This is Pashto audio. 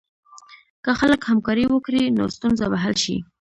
که خلک همکاري وکړي، نو ستونزه به حل شي.